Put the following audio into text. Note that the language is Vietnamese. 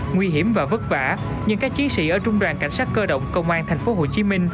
nguy hiểm và vất vả nhưng các chiến sĩ ở trung đoàn cảnh sát cơ động công an tp hcm